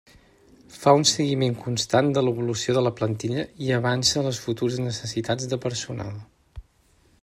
Fa un seguiment constant de l'evolució de la plantilla i avança les futures necessitats de personal.